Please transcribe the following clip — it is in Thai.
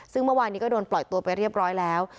ซึ่งเมื่อวานนี้ก็โดนปล่อยตัวไปเรียบร้อยแล้ว